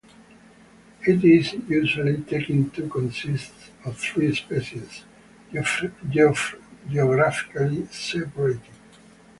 It is usually taken to consist of three species, geographically separated.